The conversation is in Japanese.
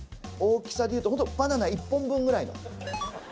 大きさで言うとバナナ１本分ぐらいの。